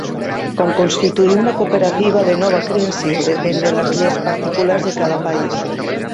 Com constituir una cooperativa de nova creació depèn de les lleis particulars de cada país.